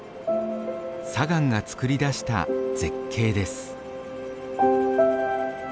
砂岩が作り出した絶景です。